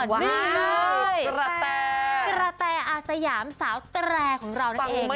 ว้าวนี่เลยกระแทร่กระแทร่อาสยามสาวกระแร่ของเรานู้นเองนะคะ